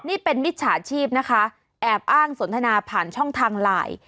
นี่เป็นมิจฉาชีพนะคะแอบอ้างสนทนาผ่านช่องทางไลน์